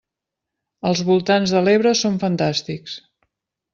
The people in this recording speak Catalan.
Els voltants de l'Ebre són fantàstics!